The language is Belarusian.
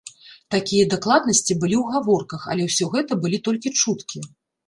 Такія дакладнасці былі ў гаворках, але ўсё гэта былі толькі чуткі.